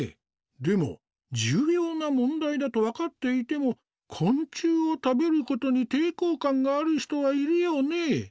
でも重要な問題だと分かっていても昆虫を食べることに抵抗感がある人はいるよね？